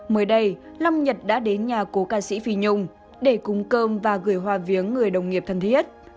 mới đây long nhật đã đến nhà cố ca sĩ phi nhung để cúng cơm và gửi hoa viếng người đồng nghiệp thân thiết